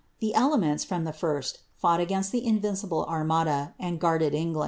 The ele ts, from the first, fought against the Invincible Armada, and guarded bud.